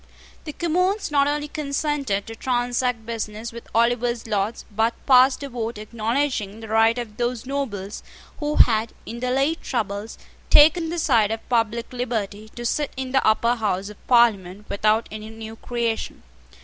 The Commons not only consented to transact business with Oliver's Lords, but passed a vote acknowledging the right of those nobles who had, in the late troubles, taken the side of public liberty, to sit in the Upper House of Parliament without any new creation.